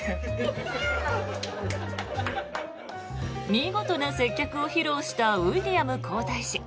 見事な接客を披露したウィリアム皇太子。